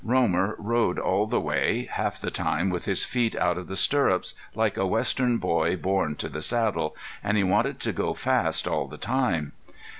Romer rode all the way, half the time with his feet out of the stirrups, like a western boy born to the saddle, and he wanted to go fast all the time.